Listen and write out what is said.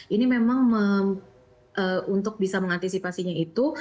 ini memang untuk bisa mengantisipasinya itu